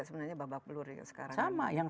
sebenarnya babak belur sekarang sama yang